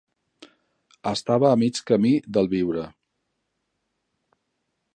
Estava a mig camí del viure